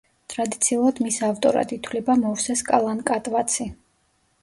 ტრადიციულად მის ავტორად ითვლება მოვსეს კალანკატვაცი.